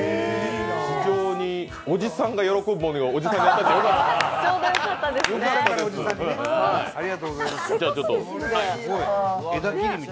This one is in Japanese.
非常におじさんが喜ぶものを、おじさんに選んでもらってよかった。